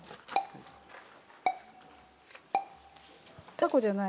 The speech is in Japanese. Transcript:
たこじゃない。